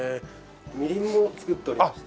みりんも造っておりまして。